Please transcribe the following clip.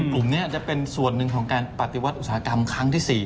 กลุ่มนี้จะเป็นส่วนหนึ่งของการปฏิวัติอุตสาหกรรมครั้งที่๔